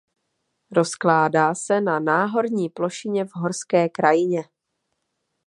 Rozkládá se na náhorní plošině v horské krajině.